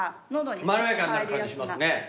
まろやかな感じしますね。